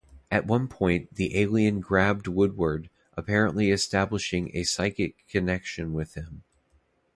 At one point, the alien grabbed Woodward, apparently establishing a psychic connection with him.